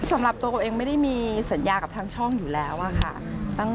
สำหรับตัวโกเองไม่ได้มีสัญญากับทางช่องอยู่แล้วอะค่ะ